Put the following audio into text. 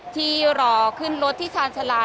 ที่รอขึ้นรถที่ชาญชาลา